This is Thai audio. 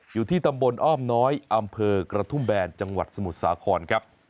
อยู่ที่ตำบลอ้อมน้อยอำเภอกระทุ่มแบนจังหวัดสมุทรสาครครับ